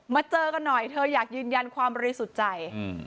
เจอกันหน่อยเธออยากยืนยันความบริสุทธิ์ใจอืม